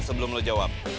sebelum lo jawab